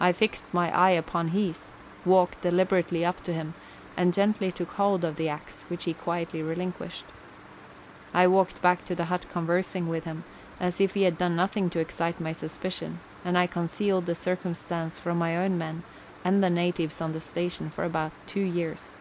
I fixed my eye upon his, walked deliberately up to him, and gently took hold of the axe, which he quietly relinquished. I walked back to the hut con versing with him, as if he had done nothing to excite my suspicion, and I concealed the circumstance from my own men and the natives on the station for about two years.